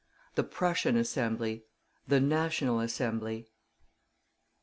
THE PRUSSIAN ASSEMBLY THE NATIONAL ASSEMBLY.